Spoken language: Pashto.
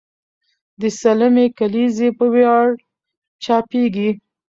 د سلمې کلیزې په ویاړ چاپېږي.